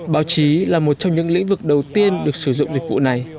báo chí là một trong những lĩnh vực đầu tiên được sử dụng dịch vụ này